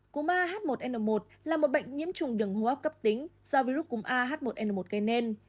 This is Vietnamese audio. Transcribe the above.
cúm a h một n một là một bệnh nhiễm trùng đường hô hấp cấp tính do virus cúm a h một n một gây nên